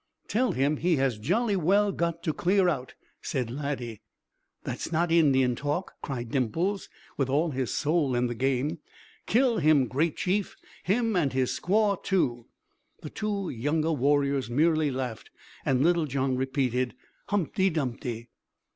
"Tell him he has jolly well got to clear out," said Laddie. "That's not Indian talk," cried Dimples, with all his soul in the game. "Kill him, great Chief him and his squaw, too." The two younger warriors merely laughed and little John repeated "Humpty Dumpty!"